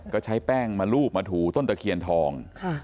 ก็ใช้แป้งมารูปมาถูต้นตะเคียนทอง